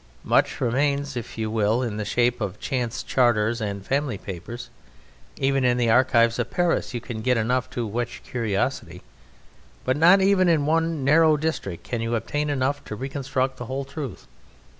Much remains, if you will, in the shape of chance charters and family papers. Even in the archives of Paris you can get enough to whet your curiosity. But not even in one narrow district can you obtain enough to reconstruct the whole truth.